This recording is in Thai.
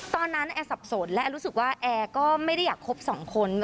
ตอนนั้นแอร์สับสนและรู้สึกว่าแอร์ไม่ได้อยากคบสองคน